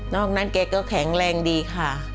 อกนั้นแกก็แข็งแรงดีค่ะ